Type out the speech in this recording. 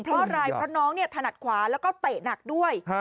เพราะอะไรเพราะน้องเนี่ยถนัดขวาแล้วก็เตะหนักด้วย